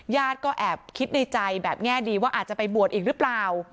ญาติก็แอบคิดในใจแบบแง่ดีว่าอาจจะไปบวชอีกหรือเปล่า